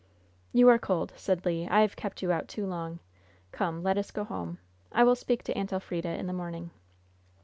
"You are cold," said Le. "I have kept you out too long. Come, let us go home. I will speak to Aunt Elfrida in the morning."